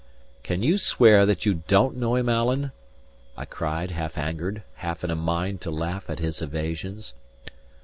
"Can you swear that you don't know him, Alan?" I cried, half angered, half in a mind to laugh at his evasions.